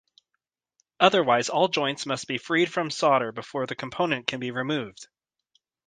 Otherwise all joints must be freed from solder before the component can be removed.